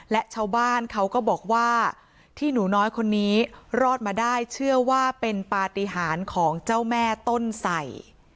และชาวบ้านเขาก็บอกว่าที่หนูน้อยคนนี้รอดมาได้เชื่อว่าเป็นปฏิหารของเจ้าแม่ต้นใส่